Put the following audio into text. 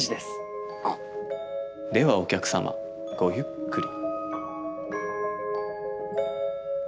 ではお客様ごゆっくり。